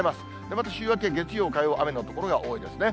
また週明け月曜、火曜、雨の所が多いですね。